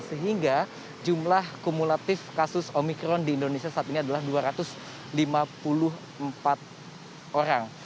sehingga jumlah kumulatif kasus omikron di indonesia saat ini adalah dua ratus lima puluh empat orang